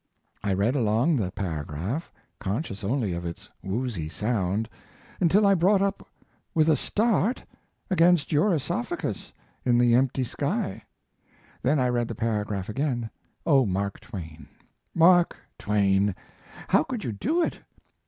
I read along down the paragraph, conscious only of its woozy sound, until I brought up with a start against your oesophagus in the empty sky. Then I read the paragraph again. Oh, Mark Twain! Mark Twain! How could you do it?